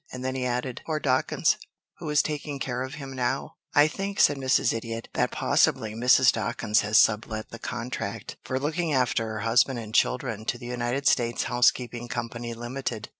And then he added, "Poor Dawkins, who is taking care of him now?" "I think," said Mrs. Idiot, "that possibly Mrs. Dawkins has sublet the contract for looking after her husband and children to the United States Housekeeping Company Limited."